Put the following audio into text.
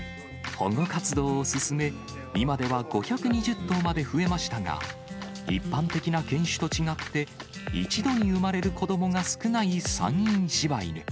保護活動を進め、今では５２０頭まで増えましたが、一般的な犬種と違って、一度に生まれる子どもが少ない山陰柴犬。